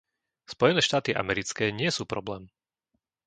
Spojené štáty americké nie sú problém.